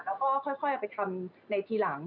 แล้วก็ค่อยเอาไปทำในทีหลัง